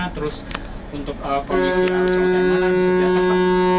terus untuk kondisi arus laut yang mana bisa dilihatkan pak